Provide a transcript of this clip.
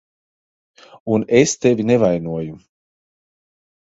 Un es tevi nevainoju.